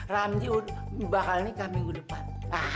ramyu bakal nikah minggu depan